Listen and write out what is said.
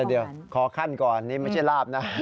เดี๋ยวขอขั้นก่อนนี่ไม่ใช่ลาบนะ